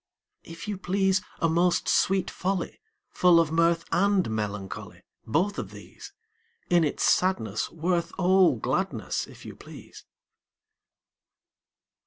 If you please, A most sweet folly! Full of mirth and melancholy: Both of these! In its sadness worth all gladness, If you please!